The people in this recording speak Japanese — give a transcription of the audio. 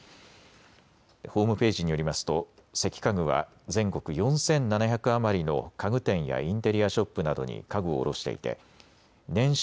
ホームページによりますと関家具は全国４７００余りの家具店やインテリアショップなどに家具を卸していて年商